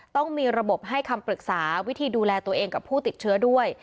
ต้องมีระบบให้คำปรึกษาวิธีดูแลตัวเองกับผู้ติดเชื้อด้วย